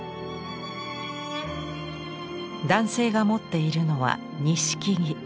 男性が持っているのは錦木。